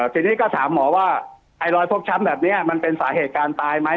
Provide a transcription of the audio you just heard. ทีนี้ก็ถามหมอว่าไอ้รอยฟกช้ำแบบนี้มันเป็นสาเหตุการตายไหม